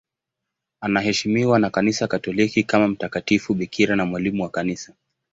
Anaheshimiwa na Kanisa Katoliki kama mtakatifu bikira na mwalimu wa Kanisa.